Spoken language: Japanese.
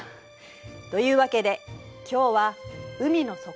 というわけで今日は海の底